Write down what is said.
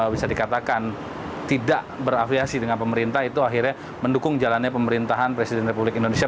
bisa dikatakan tidak berafiliasi dengan pemerintah itu akhirnya mendukung jalannya pemerintahan presiden republik indonesia